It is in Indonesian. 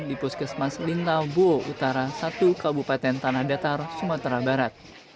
di puskesmas lintabuo utara satu kabupaten tanah datar sumatera barat